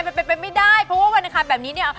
มันเป็นไปไม่ได้เพราะว่าวันอังคารแบบนี้เนี่ย